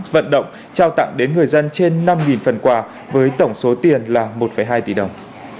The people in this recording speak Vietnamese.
vận động trao tặng đến người dân trên năm phần quà với tổng số tiền là một hai tỷ đồng